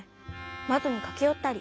まどにかけよったり。